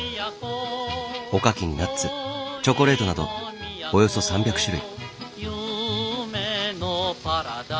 おかきにナッツチョコレートなどおよそ３００種類。